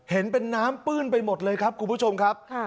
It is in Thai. เห็นเป็นน้ำปื้นไปหมดเลยครับคุณผู้ชมครับ